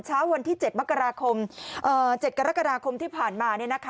เช้าวันที่๗กรกฎาคมที่ผ่านมา